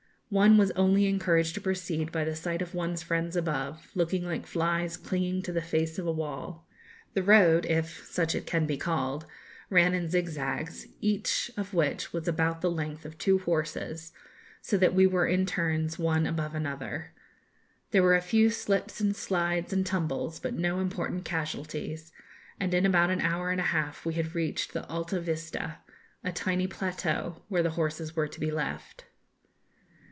One was only encouraged to proceed by the sight of one's friends above, looking like flies clinging to the face of a wall. The road, if such it can be called, ran in zigzags, each of which was about the length of two horses, so that we were in turns one above another. There were a few slips and slides and tumbles, but no important casualties; and in about an hour and a half we had reached the 'Alta Vista,' a tiny plateau, where the horses were to be left.